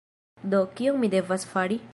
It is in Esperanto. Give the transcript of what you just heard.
Do, kion mi devas fari?